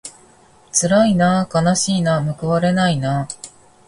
つらいなあかなしいなあむくわれないなあ